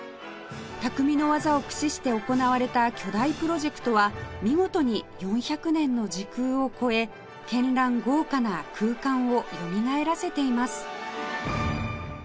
匠の技を駆使して行われた巨大プロジェクトは見事に４００年の時空を越え絢爛豪華な空間をよみがえらせています